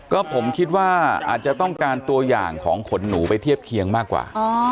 ก็ผมคิดว่าอาจจะต้องการตัวอย่างของขนหนูไปเทียบเคียงมากกว่า